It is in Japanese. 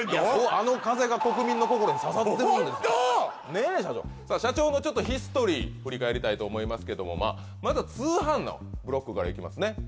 あの風が社長のヒストリー振り返りたいと思いますけどもまずは通販のブロックからいきますね